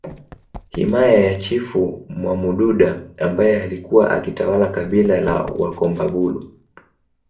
Himaya ya Chifu Mwamududa ambaye alikuwa akitawala kabila la Wakombagulu